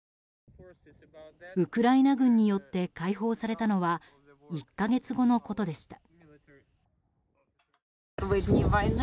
ウクライナ軍によって解放されたのは１か月後のことでした。